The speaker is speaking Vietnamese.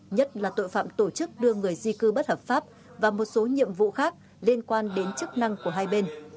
nhất là tội phạm tổ chức đưa người di cư bất hợp pháp và một số nhiệm vụ khác liên quan đến chức năng của hai bên